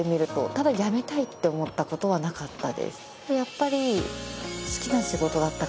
ただやめたいって思ったことはなかったです。